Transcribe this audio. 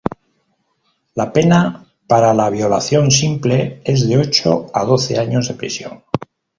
La pena para la violación simple es de ocho a doce años de prisión.